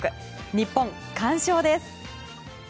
日本、完勝です。